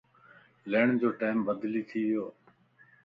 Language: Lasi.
ليڻ جو ٽيم بدلي ٿي ويووَ